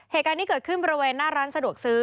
เหตุการณ์นี้เกิดขึ้นบริเวณหน้าร้านสะดวกซื้อ